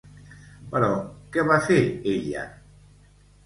Però què va fer ella?